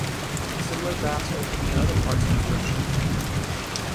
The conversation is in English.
Similar baths opened in other parts of the British Empire.